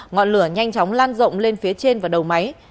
ngọn lửa nhanh chóng lan rộng lên phía trên và đầu máy